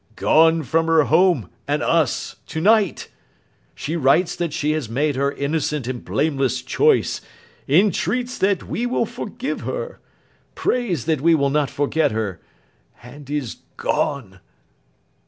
'Gone from her home and us. To night! She writes that she has made her innocent and blameless choice—entreats that we will forgive her—prays that we will not forget her—and is gone.